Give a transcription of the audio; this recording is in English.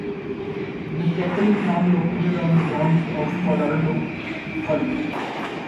The chapel is now located on the grounds of Colorado College.